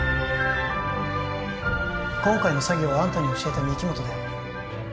今回の詐欺をあんたに教えた御木本だよ